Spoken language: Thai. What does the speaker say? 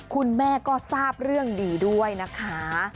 คุณแม่ก็ทราบเรื่องดีด้วยนะคะ